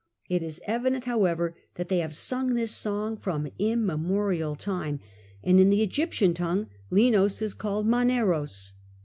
It is evident however that they have sung this song from immemorial time, and in the Egyptian tongue Linos is called Maneros.